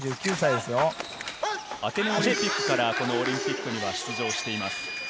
アテネオリンピックからこのオリンピックには出場しています。